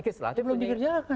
legislatif belum dikerjakan